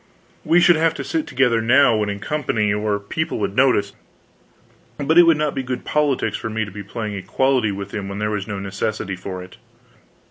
We should have to sit together now when in company, or people would notice; but it would not be good politics for me to be playing equality with him when there was no necessity for it.